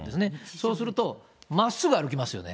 そうすると、まっすぐ歩きますよね。